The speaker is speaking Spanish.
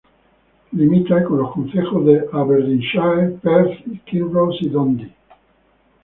Limita con los concejos de Aberdeenshire, Perth and Kinross y Dundee.